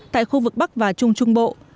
tại khu vực bắc và trung trung bộ